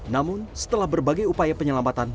namun setelah berbagai upaya penyelamatan